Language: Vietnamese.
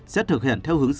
sẽ thực hiện theo hướng dẫn